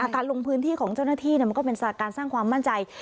การลงพื้นที่ของเจ้าหน้าที่มันก็เป็นการสร้างความมั่นใจ